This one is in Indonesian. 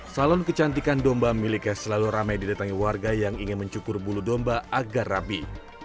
salon kecantikan domba miliknya selalu ramai didatangi warga yang ingin mencukur bulu domba agar rapi